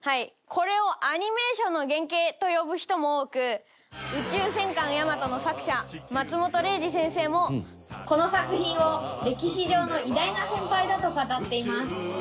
これをアニメーションの原型と呼ぶ人も多く『宇宙戦艦ヤマト』の作者松本零士先生もこの作品を「歴史上の偉大な先輩だ」と語っています。